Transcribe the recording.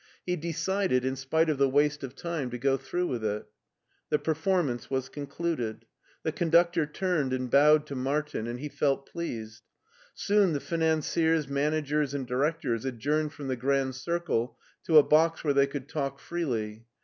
He decided, in spite of the waste of time, to go through with it The performance was concluded. The conductor turned and bowed to Martin and he felt pleased. Soon the financiers, managers^ and directors adjourned from the grand circle to a box where they could talk freely.